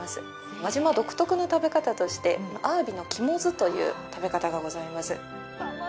輪島独特の食べ方として、アワビの肝酢という食べ方がございます。